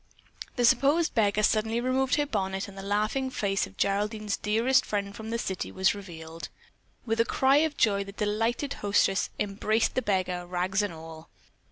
The supposed beggar suddenly removed her bonnet and the laughing face of Geraldine's dearest friend from the city was revealed. With a cry of joy, the delighted hostess embraced the beggar, rags and all.